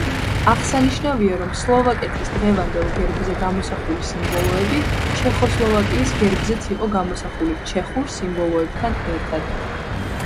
აღსანიშნავია, რომ სლოვაკეთის დღევანდელ გერბზე გამოსახული სიმბოლოები ჩეხოსლოვაკიის გერბზეც იყო გამოსახული ჩეხურ სიმბოლოებთან ერთად.